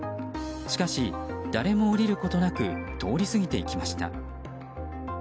しかし、誰も降りることなく通り過ぎていきました。